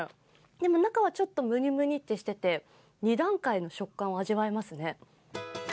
でも中はちょっとむにむにっとしてて２段階の食感を味わえますね。